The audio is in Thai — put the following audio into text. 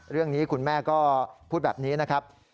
เรื่องนี้คุณแม่ก็พูดแบบนี้นะครับ